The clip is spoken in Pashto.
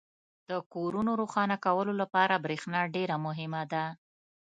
• د کورونو روښانه کولو لپاره برېښنا ډېره مهمه ده.